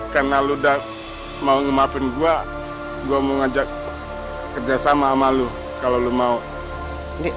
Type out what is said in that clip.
karena lu udah mau ngemaafin gua gua mau ngajak kerja sama ama lu kalau lu mau ini sering terima